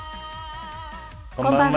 こんばんは。